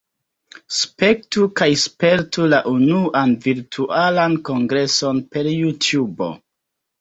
Spektu kaj spertu la unuan Virtualan Kongreson per JuTubo!